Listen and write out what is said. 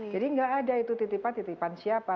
jadi nggak ada itu titipan titipan siapa